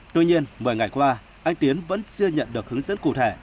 tuy nhiên một mươi ngày qua anh tiến vẫn chưa nhận được hướng dẫn cụ thể